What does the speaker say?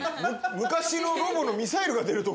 昔のロボのミサイルが出るとこ。